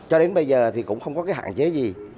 cho đến bây giờ thì cũng không có cái hạn chế gì